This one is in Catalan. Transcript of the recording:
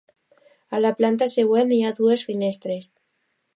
A la planta següent hi ha dues finestres.